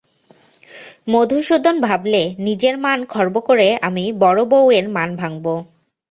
মধুসূদন ভাবলে, নিজের মান খর্ব করে আমি বড়োবউয়ের মান ভাঙব।